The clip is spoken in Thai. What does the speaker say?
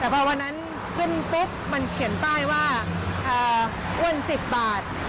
แต่พอวันนั้นขึ้นเป็นต้น้ำมันเขียนใต้ว่าอ่าอ้วนสิบบาท